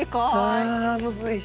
あむずい。